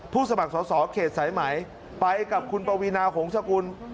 สมัครสอสอเขตสายไหมไปกับคุณปวีนาหงษกุล